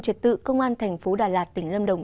triệt tự công an tp đà lạt tỉnh lâm đồng